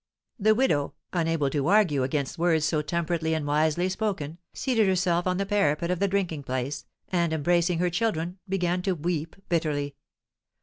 The widow, unable to argue against words so temperately and wisely spoken, seated herself on the parapet of the drinking place, and, embracing her children, began to weep bitterly.